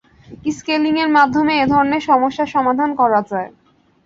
Scaling এর মাধ্যমে এধরনের সমস্যার সমাধান করা যায়।